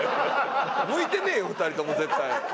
向いてねえよ２人とも絶対。